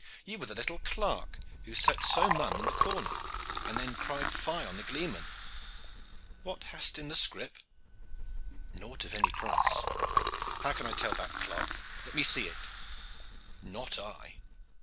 You were the little clerk who sat so mum in the corner, and then cried fy on the gleeman. What hast in the scrip?" "Naught of any price." "How can I tell that, clerk? Let me see." "Not I."